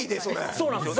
そうなんですよ。